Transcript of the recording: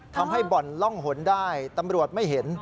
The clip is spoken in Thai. ทำให้บ่อนล่องหนได้ตำรวจไม่เห็น